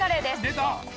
出た！